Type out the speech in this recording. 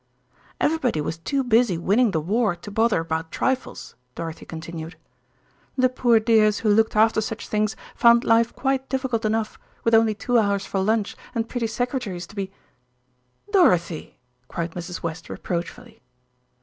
"Everybody was too busy winning the war to bother about trifles," Dorothy continued. "The poor dears who looked after such things found life quite difficult enough, with only two hours for lunch and pretty secretaries to be " "Dorothy!" cried Mrs. West reproachfully.